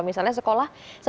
kita pasrah ya sembilan